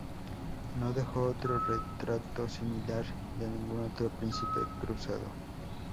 No dejó otro retrato similar de ningún otro príncipe Cruzado.